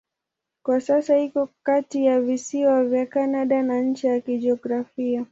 Kwa sasa iko kati ya visiwa vya Kanada na ncha ya kijiografia.